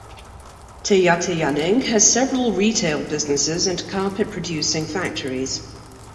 Teyateyaneng has several retail businesses and carpet-producing factories.